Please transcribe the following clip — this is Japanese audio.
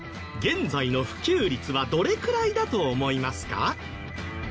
現在の普及率はどれくらいだと思いますか？